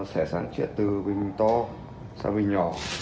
chủ sinh sẽ sang chiết từ bình to sang bình nhỏ